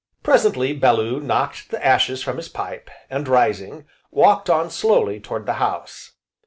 Presently Bellew knocked the ashes from his pipe, and rising, walked on slowly toward the house.